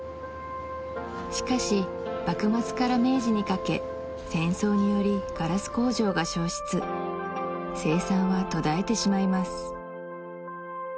しかし幕末から明治にかけ戦争によりガラス工場が焼失生産は途絶えてしまいます